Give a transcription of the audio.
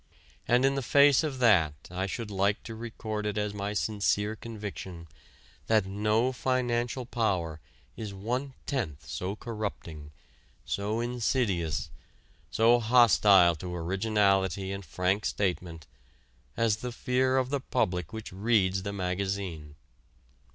And in the face of that I should like to record it as my sincere conviction that no financial power is one tenth so corrupting, so insidious, so hostile to originality and frank statement as the fear of the public which reads the magazine.